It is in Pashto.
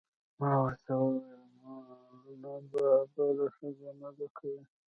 ما ورته وویل: نه، ما بله ښځه نه ده کړې.